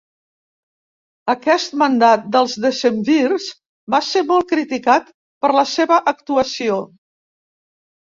Aquest mandat dels decemvirs va ser molt criticat per la seva actuació.